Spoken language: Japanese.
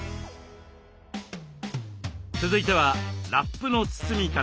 続いてはラップの包み方。